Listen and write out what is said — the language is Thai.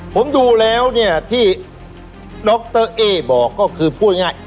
ผมดูแล้วเนี่ยที่ดรเอ๊บอกก็คือพูดง่าย